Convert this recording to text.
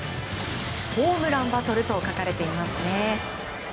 「ホームランバトル」と書かれていますよね。